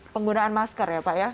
penggunaan masker ya pak ya